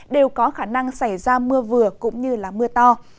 đều có khả năng xảy ra mưa vừa cũng như mưa to